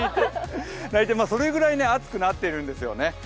それぐらい暑くなっているんですよね。